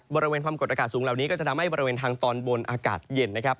บริเวณความกดอากาศสูงเหล่านี้ก็จะทำให้บริเวณทางตอนบนอากาศเย็นนะครับ